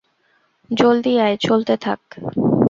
জলদি আয়, চলতে থাক।